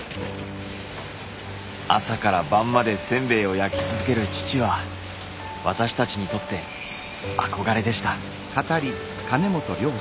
朝から晩までせんべいを焼き続ける父は私たちにとってあこがれでした。